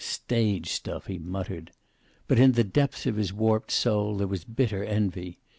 "Stage stuff!" he muttered. But in the depths of his warped soul there was bitter envy.